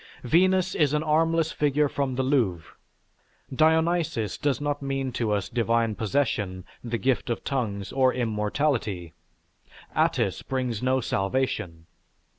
Venus is an armless figure from the Louvre; Dionysos does not mean to us divine possession, the gift of tongues, or immortality; Attis brings no salvation.